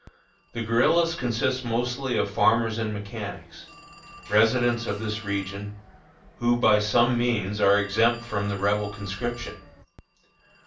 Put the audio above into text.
The guerillas consist mostly of farmers and mechanics, residents of this region, who, by some means, are exempt from the Rebel conscription.